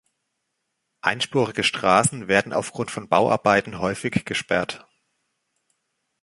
Einspurige Straßen werden aufgrund von Bauarbeiten häufig gesperrt.